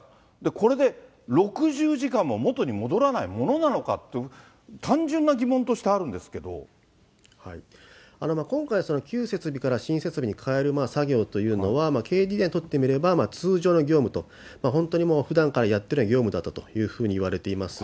これで６０時間も元に戻らないものなのかって、今回、旧設備から新設備に変える作業というのは、ＫＤＤＩにとってみれば通常の業務と、本当にもうふだんからやってる業務だったというふうにいわれています。